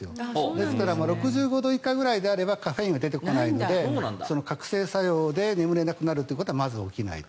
ですから６５度以下ぐらいであればカフェインは出てこないので覚醒作用で寝られなくなることはまず起きないと。